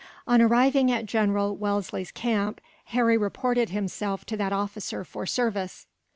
On arriving at General Wellesley's camp, Harry reported himself to that officer for service.